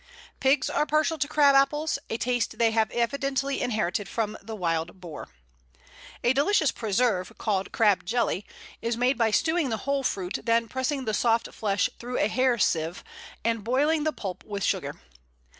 Pigs are partial to Crab apples, a taste they have evidently inherited from the wild boar. A delicious preserve, called Crab jelly, is made by stewing the whole fruit, then pressing the soft flesh through a hair sieve, and boiling the pulp with sugar.